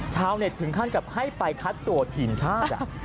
ชาวเน็ตถึงขั้นกับให้ไปคัดตัวทีมชาติ